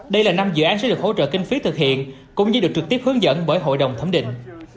đây là năm dự án sẽ được hỗ trợ kinh phí thực hiện cũng như được trực tiếp hướng dẫn bởi hội đồng thẩm định